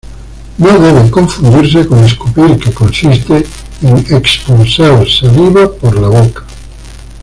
No debe confundirse con "escupir", que consiste en expulsar saliva por la boca.